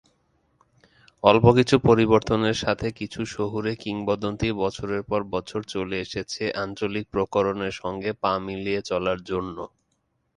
অল্প কিছু পরিবর্তনের সাথে কিছু শহুরে কিংবদন্তি বছরের পর বছর চলে এসেছে আঞ্চলিক প্রকরণের সঙ্গে পা মিলিয়ে চলার জন্য।।